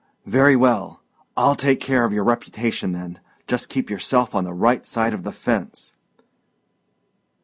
"Very well. I'll take care of your reputation then. Just keep yourself on the right side of the fence."